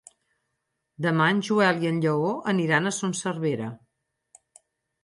Demà en Joel i en Lleó aniran a Son Servera.